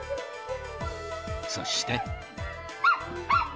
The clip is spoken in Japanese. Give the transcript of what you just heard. そして。